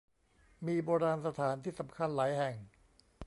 มีโบราณสถานที่สำคัญหลายแห่ง